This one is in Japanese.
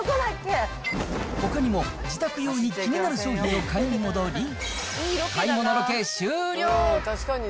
ほかにも、自宅用に気になる商品を買いに戻り、買い物ロケ終了。